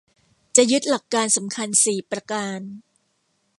จะยึดหลักการสำคัญสี่ประการ